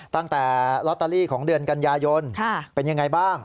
ตั้งแต่ลอตเตอรี่ของเดือนกันยายนเป็นยังไงบ้าง